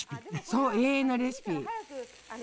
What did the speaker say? そう永遠のレシピ。